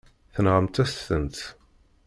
Tenɣamt-as-tent.